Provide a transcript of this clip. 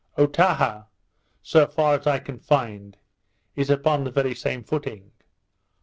Otaha, so far as I can find, is upon the very same footing.